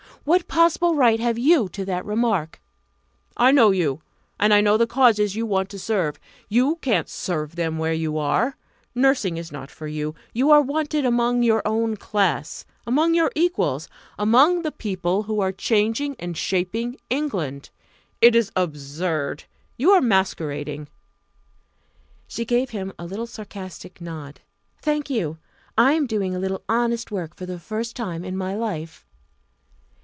"What possible right have you to that remark?" "I know you, and I know the causes you want to serve. You can't serve them where you are. Nursing is not for you; you are wanted among your own class among your equals among the people who are changing and shaping England. It is absurd. You are masquerading." She gave him a little sarcastic nod. "Thank you. I am doing a little honest work for the first time in my life."